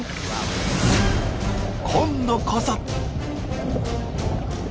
今度こそ。